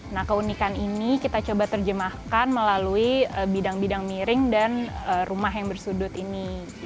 nah keunikan ini kita coba terjemahkan melalui bidang bidang miring dan rumah yang bersudut ini